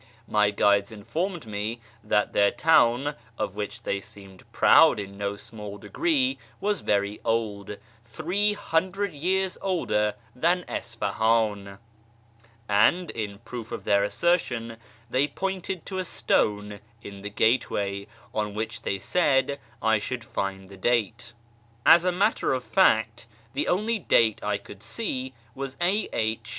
My guides informed me that their town, of which they seemed proud in no small degree, was very old — 300 years older than Isfahan — and, in proof of their assertion, they pointed to a stone in the gateway on which they said I should find the date. As a matter of fact, the only date I could see was (a.h.)